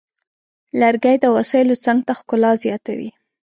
لرګی د وسایلو څنګ ته ښکلا زیاتوي.